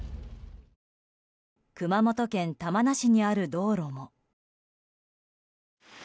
熊本県玉名市にある道路も。